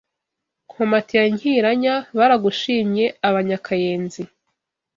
Nkomati ya Nkiranya baragushimye Abanyakayenzi